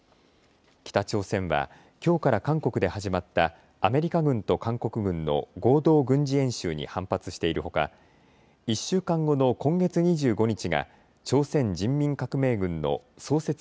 北朝鮮は、きょうから韓国で始まったアメリカ軍と韓国軍の合同軍事演習に反発しているほか１週間後の今月２５日が朝鮮人民革命軍の創設